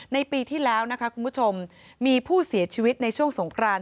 ในปีที่แล้วนะคะคุณผู้ชมมีผู้เสียชีวิตในช่วงสงคราน